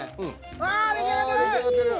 ああ出来上がってる！